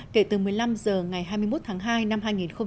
kể từ một mươi năm h ngày hai mươi một tháng hai năm hai nghìn một mươi tám